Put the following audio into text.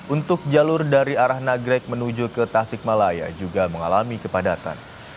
untuk jalur dari arah nagrek menuju ke tasikmalaya juga mengalami kepadatan